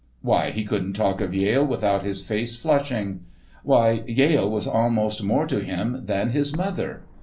Why, he couldn't talk of Yale without his face flushing. Why, Yale was almost more to him than his mother.